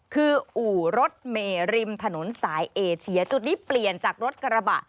คืออู่รถเมริมถนนสายเอเชียจุดนี้เปลี่ยนจากรถกระบะ